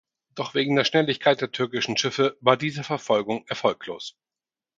Doch wegen der Schnelligkeit der türkischen Schiffe war diese Verfolgung erfolglos.